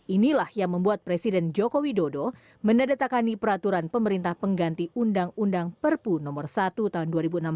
inilah yang membuat presiden joko widodo menandatakani peraturan pemerintah pengganti undang undang perpu no satu tahun dua ribu enam belas